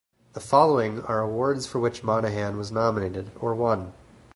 The following are awards for which Monaghan was nominated, or won.